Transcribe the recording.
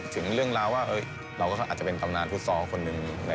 ถึงเรื่องราวว่าเราก็อาจจะเป็นตำนานฟุตซอลคนหนึ่ง